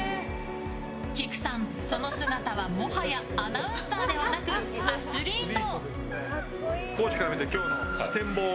きくさん、その姿はもはやアナウンサーではなくアスリート。